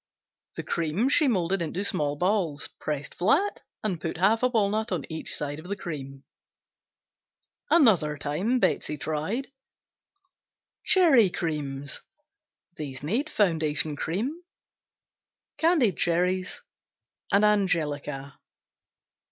The cream she molded into small balls, pressed flat and put half a walnut on each side of the cream. Another time Betsey tried Cherry Creams Foundation cream. Candied cherries and angelica.